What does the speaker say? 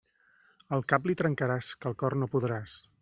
El cap li trencaràs, que el cor no podràs.